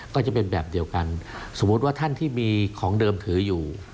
ก็จะเป็นแบบเดียวกันสมมุติว่าท่านที่มีของเดิมถืออยู่